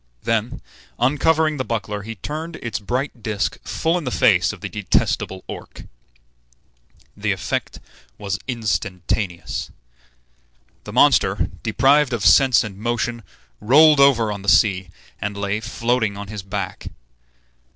Then, uncovering the buckler, he turned its bright disk full in the face of the detestable Orc. The effect was instantaneous. The monster, deprived of sense and motion, rolled over on the sea, and lay floating on his back.